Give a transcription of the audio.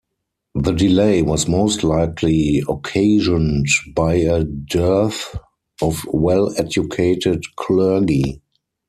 The delay was most likely occasioned by a dearth of well-educated clergy.